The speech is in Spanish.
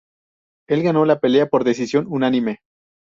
Él ganó la pelea por decisión unánime.